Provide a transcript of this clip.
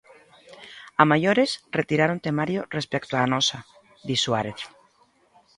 "A maiores, retiraron temario respecto á nosa", di Suárez.